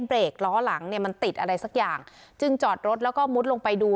เบรกล้อหลังเนี่ยมันติดอะไรสักอย่างจึงจอดรถแล้วก็มุดลงไปดู